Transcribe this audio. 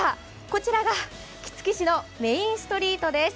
こちらが杵築市のメインストリートです。